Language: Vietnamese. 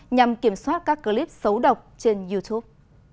nhằm kiểm soát các clip xấu độc trên youtube